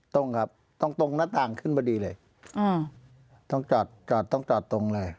ตรงครับตรงตรงหน้าต่างขึ้นพอดีเลยต้องจอดจอดต้องจอดตรงเลย